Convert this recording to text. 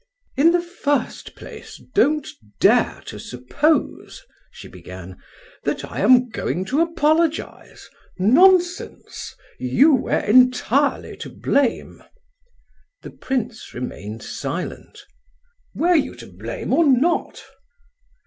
"In the first place, don't dare to suppose," she began, "that I am going to apologize. Nonsense! You were entirely to blame." The prince remained silent. "Were you to blame, or not?"